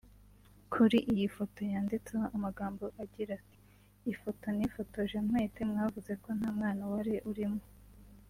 Kuri iyi foto yanditseho amagambo agira ati “Ifoto nifotoje ntwite mwavuze ko nta mwana wari urimo